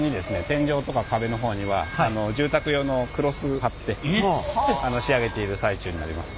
天井とか壁の方には住宅用のクロスを貼って仕上げている最中になります。